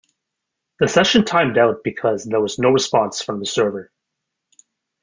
The session timed out because there was no response from the server.